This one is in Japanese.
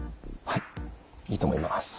はいいいと思います。